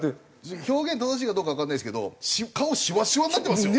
表現正しいかどうかわかんないですけど顔シワシワになってますよね。